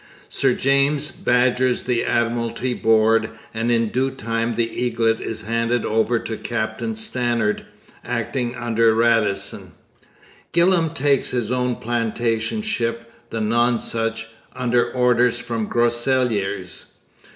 Sir James badgers the Admiralty Board, and in due time the Eaglet is handed over to Captain Stannard, acting under Radisson. Gillam takes his own plantation ship, the Nonsuch, under orders from Groseilliers.